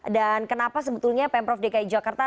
dan kenapa sebetulnya pemprov dki jakarta